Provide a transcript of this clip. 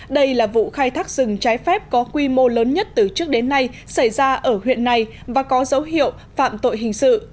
đây là vụ khai thác rừng trái phép có quy mô lớn nhất từ trước đến nay xảy ra ở huyện này và có dấu hiệu phạm tội hình sự